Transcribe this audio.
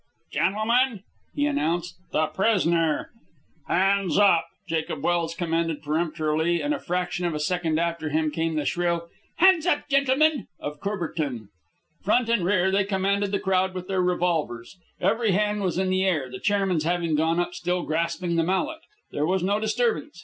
"Gentlemen," he announced, "the prisoner " "Hands up!" Jacob Welse commanded peremptorily, and a fraction of a second after him came the shrill "Hands up, gentlemen!" of Courbertin. Front and rear they commanded the crowd with their revolvers. Every hand was in the air, the chairman's having gone up still grasping the mallet. There was no disturbance.